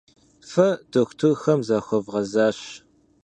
Фэ дохутырхэм захуэвгъэзащ.